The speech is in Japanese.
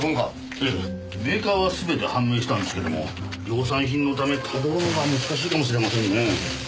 ええメーカーは全て判明したんですけども量産品のためたどるのは難しいかもしれませんね。